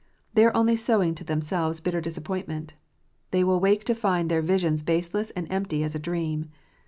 They are only sowing to themselves bitter disap pointment. They will awake to find their visions baseless and empty as a dream.